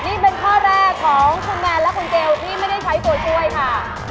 นี่เป็นข้อแรกของคุณแมนและคุณเจลที่ไม่ได้ใช้ตัวช่วยค่ะ